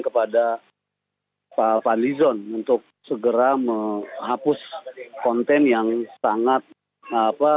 kepada pak fadli zon untuk segera menghapus konten yang sangat apa